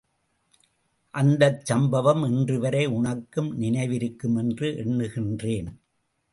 அந்தச் சம்பவம் இன்றுவரை உனக்கும் நினைவிருக்கும் என்று எண்ணுகின்றேன்.